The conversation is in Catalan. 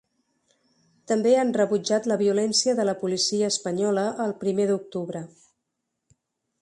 També han rebutjat la violència de la policia espanyola el primer d’octubre.